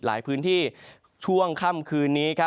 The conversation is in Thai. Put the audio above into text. หลายพื้นที่ช่วงค่ำคืนนี้